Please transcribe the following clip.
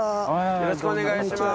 よろしくお願いします。